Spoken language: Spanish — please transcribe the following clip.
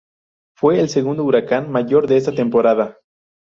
Fue el segundo huracán mayor de esta temporada.